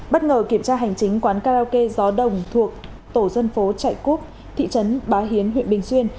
bất ngờ kiểm tra hành chính quán karaoke gió đồng thuộc tổ dân phố chạy cúp thị trấn bá hiến huyện bình xuyên